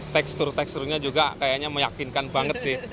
tekstur teksturnya juga kayaknya meyakinkan banget sih